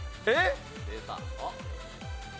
えっ？